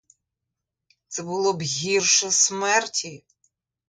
Це було б гірше смерті!